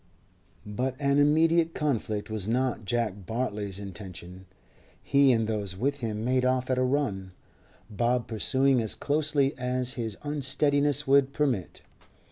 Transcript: But an immediate conflict was not Jack Bartley's intention. He and those with him made off at a run, Bob pursuing as closely as his unsteadiness would permit.